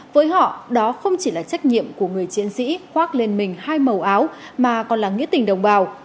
với họ đó không chỉ là trách nhiệm của người chiến sĩ khoác lên mình hai màu áo mà còn là nghĩa tình đồng bào